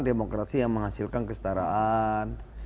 demokrasi yang menghasilkan kestaraan